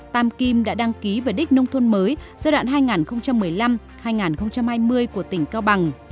tam kim đã đăng ký về đích nông thôn mới giai đoạn hai nghìn một mươi năm hai nghìn hai mươi của tỉnh cao bằng